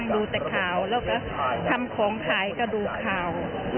ดูแต่ข่าวแล้วก็ทำของขายก็ดูข่าว